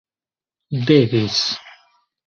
devis